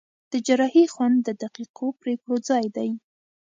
د جراحي خونه د دقیقو پرېکړو ځای دی.